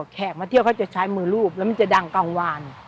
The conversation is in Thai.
แขกเขามาเที่ยวจะใช้มือรูปและขึงจะดังเก่ากวาง